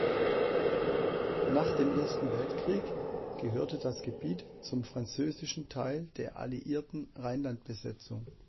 Nach dem Ersten Weltkrieg gehörte das Gebiet zum französischen Teil der Alliierten Rheinlandbesetzung.